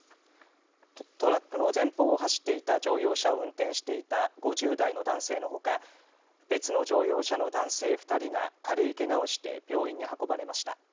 トラックの前方を走っていた乗用車を運転していた５０代の男性のほか別の乗用車の男性２人が軽いけがをして病院に運ばれました。